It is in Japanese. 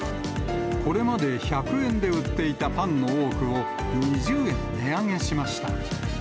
これまで１００円で売っていたパンの多くを、２０円値上げしました。